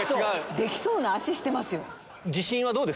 できそうな足してますよ。